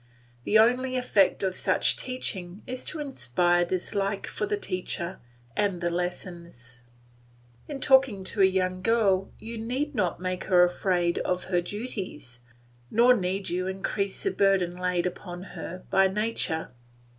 The only effect of such teaching is to inspire a dislike for the teacher and the lessons. In talking to a young girl you need not make her afraid of her duties, nor need you increase the burden laid upon her by nature.